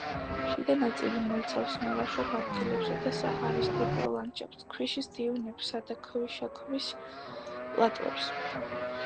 შიდა ნაწილი მოიცავს მლაშობ ადგილებსა და საჰარის ტიპურ ლანდშაფტს, ქვიშის დიუნებსა და ქვიშაქვის პლატოებს.